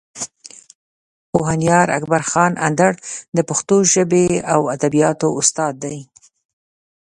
پوهنیار اکبر خان اندړ د پښتو ژبې او ادبیاتو استاد دی.